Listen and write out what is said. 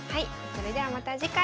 それではまた次回。